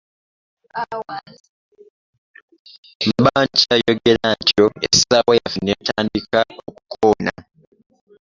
Mba nkyayogera ntyo essaawa yaffe n'etandika okukoona.